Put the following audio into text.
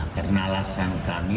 karena alasan kami